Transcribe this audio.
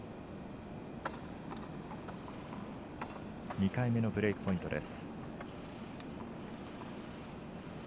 ２回目のブレークポイントです。